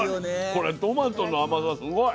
これトマトの甘さすごい。